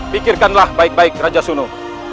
pikirkanlah baik baik raja suno